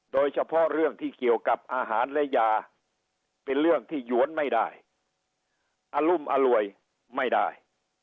โดยเฉพาะเรื่องที่เกี่ยวกับอาหารและยาเป็นเรื่องที่หยวนไม่ได้อรุมอร่วยไม่ได้